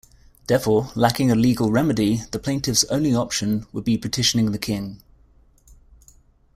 Therefore, lacking a legal remedy, the plaintiff's only option would be petitioning the King.